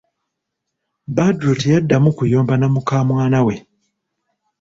Badru teyaddamu kuyomba na mukamwana we.!